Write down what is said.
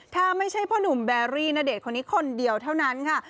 ถ้าไม่ใช่พ่อหนุ่มแบรี่ณเดชน์คนนี้คนเดียวเท่านั้นค่ะ